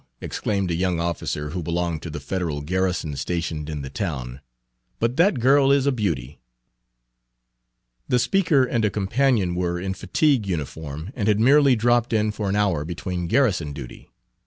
exclaimed a young officer, who belonged to the Federal garrison stationed in the town, "but that girl is a beauty." The speaker and a companion were in fatigue uniform, and had merely dropped in for an hour between garrison duty.